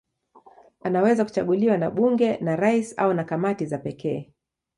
Anaweza kuchaguliwa na bunge, na rais au kamati za pekee.